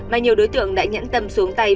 mà nhiều đối tượng đã nhẫn tâm xuống tay